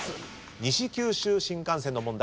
西九州新幹線の問題